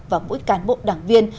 và mỗi cán bộ đảng viên